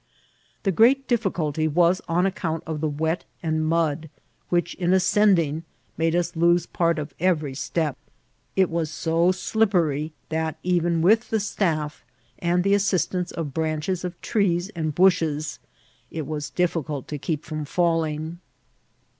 The great difficulty was on account of the wet and mud, which, in ascending, made us lose part of every step. It was so slippery that, even with the staff, and the assistance of branches of trees and bushes, it was difficult to keep from falling.